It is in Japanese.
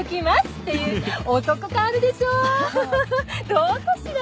どうかしら？